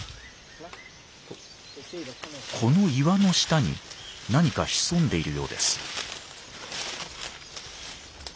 この岩の下に何か潜んでいるようです。